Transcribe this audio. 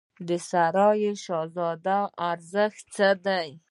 د سرای شهزاده ارزښت څه دی؟